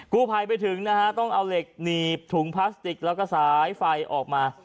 กู้ภัยไปถึงนะฮะต้องเอาเหล็กหนีบถุงพลาสติกแล้วก็สายไฟออกมา